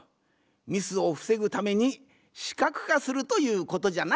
ミスをふせぐために視覚化するということじゃな。